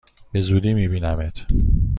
به زودی می بینمت!